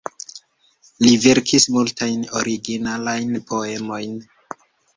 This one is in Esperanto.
Li verkis multajn originalajn poemojn.